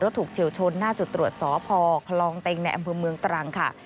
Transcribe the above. ถูกเฉียวชนหน้าจุดตรวจสพคลองเต็งในอำเภอเมืองตรังค่ะ